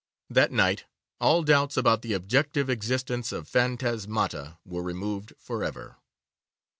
That night all doubts about the objective existence of phantasmata were removed for ever.